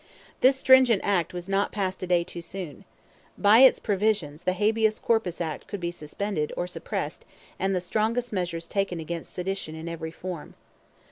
This stringent act was not passed a day too soon. By its provisions the Habeas Corpus Act could be suspended or suppressed and the strongest measures taken against sedition in every form.